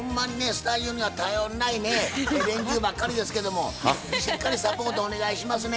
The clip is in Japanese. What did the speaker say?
スタジオには頼りないね連中ばっかりですけどもしっかりサポートお願いしますね。